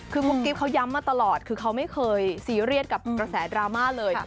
คือกุ๊กกิ๊บเขาย้ำมาตลอดคือเขาไม่เคยซีเรียสกับกระแสดราม่าเลย